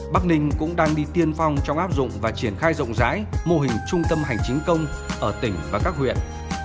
bắc ninh cũng đang đi tiên phong trong áp dụng và triển khai rộng rãi mô hình trung tâm hành chính công ở tỉnh và các huyện